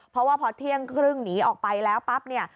เพราะว่าพอเที่ยงครึ่งหนีออกไปแล้วปั๊บเนี่ย